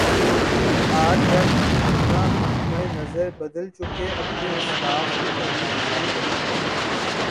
آج جب ہم اپنا مطمع نظر بدل چکے اپنے اسلاف کے طریق بھول چکے